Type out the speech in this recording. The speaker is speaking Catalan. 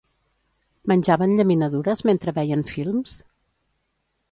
Menjaven llaminadures mentre veien films?